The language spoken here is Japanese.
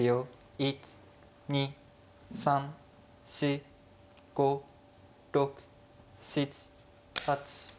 １２３４５６７８。